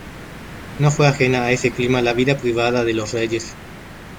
No fue ajena a ese clima la vida privada de los reyes.